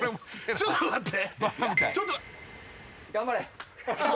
ちょっと待って。